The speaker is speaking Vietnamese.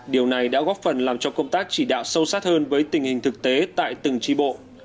điều này đã góp phần làm cho công tác chỉ đạo sâu sát hơn với tình hình thực tế tại từng tri bộ